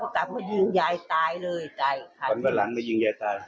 กลับมายิงอาญายตายฟรรดลอนนายยิงอาญายตาย